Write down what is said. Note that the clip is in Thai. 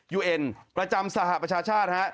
เอ็นประจำสหประชาชาติฮะ